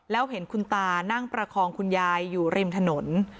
แล้วเห็นคุณตานั่งประคองคุณยายอยู่ริมถนน